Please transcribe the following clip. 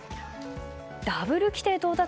ダブル規定到達。